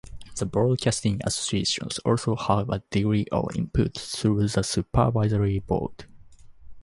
The broadcasting associations also have a degree of input through the Supervisory Board.